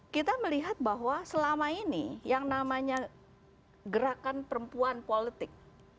kita melihat bahwa selama ini yang namanya gerakan perempuan politik